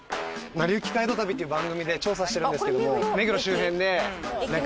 『なりゆき街道旅』っていう番組で調査してるんですけども。